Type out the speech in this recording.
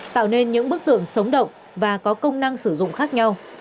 tạo nên những bức tượng sống động và có công năng sử dụng khác nhau